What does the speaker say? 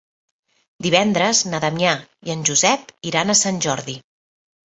Divendres na Damià i en Josep iran a Sant Jordi.